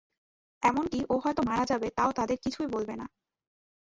এমনকি ও হয়ত মারা যাবে তাও তাদের কিছুই বলবে না!